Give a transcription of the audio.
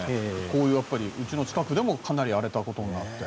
こういう、うちの近くでもかなり荒れたことになって。